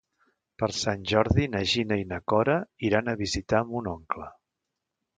Per Sant Jordi na Gina i na Cora iran a visitar mon oncle.